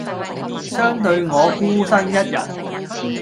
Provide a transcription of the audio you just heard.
相對我孤身一人